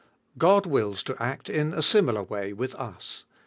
God wills to act in a similar way with us.